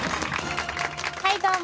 はいどうも！